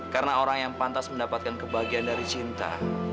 karena orang yang pantas mendapatkan kebahagiaan dari cinta